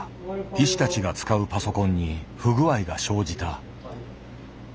医師たちが使うパソコンに不具合が生じた。